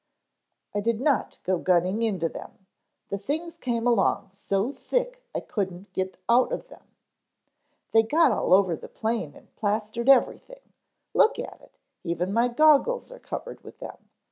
"I did not go gunning into them. The things came along so thick I couldn't get out of them. They got all over the plane and plastered everything, look at it, even my goggles are covered with them.